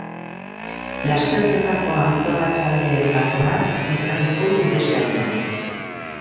Lasterketako antolatzaileetako bat izan dugu gure saioan.